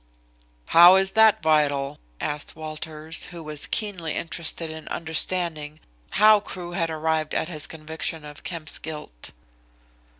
"How is that vital?" asked Walters, who was keenly interested in understanding how Crewe had arrived at his conviction of Kemp's guilt.